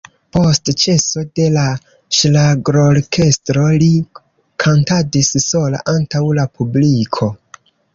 Post ĉeso de la ŝlagrorkestro li kantadis sola antaŭ la publiko.